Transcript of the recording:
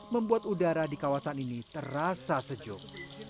membuat udara di kawasan ini terasa sejuk